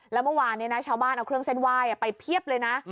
แล้วเมื่อวานนี้นะชาวบ้านเอาเครื่องเส้นไหว้ไปเพียบเลยนะ